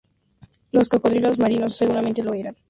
Los cocodrilos marinos seguramente lo eran.